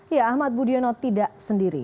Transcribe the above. ya ahmad budiono tidak sendiri